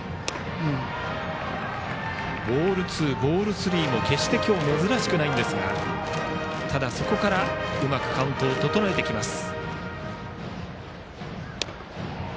ボールツー、ボールスリーも今日珍しくないですがただそこからうまくカウントを整えてきます。